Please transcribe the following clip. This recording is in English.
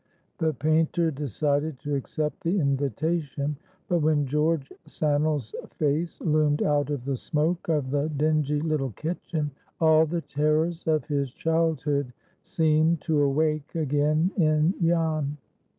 The painter decided to accept the invitation; but when George Sannel's face loomed out of the smoke of the dingy little kitchen, all the terrors of his childhood seemed to awake again in Jan.